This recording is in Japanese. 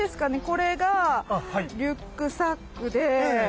これがリュックサックで。